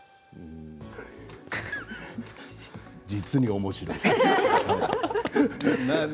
実におもしろい。